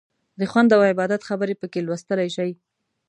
د خوند او عبادت خبرې پکې لوستلی شئ.